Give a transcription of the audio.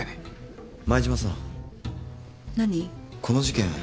この事件